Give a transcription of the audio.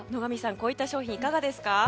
こういった商品、いかがですか。